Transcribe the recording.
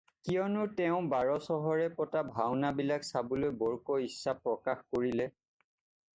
কিয়নাে তেওঁ বাৰ চহৰে পতা ভাওনা বিলাক চাবলৈ ৰকৈ ইচ্ছা প্ৰকাশ কৰিলে